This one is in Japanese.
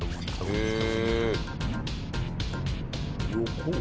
へえ！